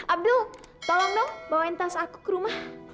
abdul tolong dong bawain tas aku ke rumah